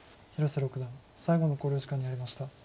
広瀬六段最後の考慮時間に入りました。